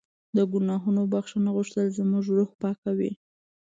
د ګناهونو بښنه غوښتل زموږ روح پاکوي.